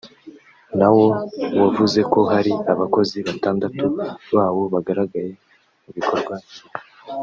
na wo wavuze ko hari abakozi batandatu bawo bagaragaye mu bikorwa nk’ibi